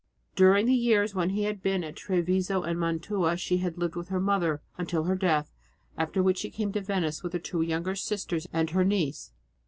During the years when he had been at Treviso and Mantua she had lived with her mother, until her death, after which she came to Venice with her two younger sisters and her niece.